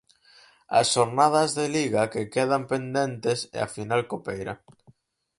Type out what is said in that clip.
As xornadas de Liga que quedan pendentes e a final copeira.